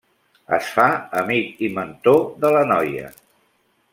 Es fa amic i mentor de la noia.